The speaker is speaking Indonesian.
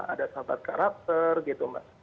ada sahabat karakter gitu mbak